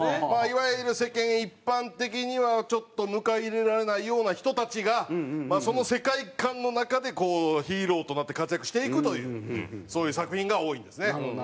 まあいわゆる世間一般的にはちょっと迎え入れられないような人たちがその世界観の中でこうヒーローとなって活躍していくというそういう作品が多いんですね。